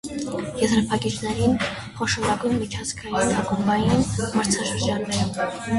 Եզրափակիչներն խոշորագույն միջազգային ակումբային մրցաշարերում։